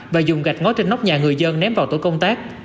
và dùng gạch ngói trên nóc nhà người dân ném vào tổ công tác